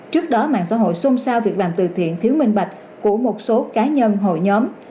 trước đó mạng xã hội xôn xao việc làm từ thiện thiếu minh bạch của một số cá nhân hội nhóm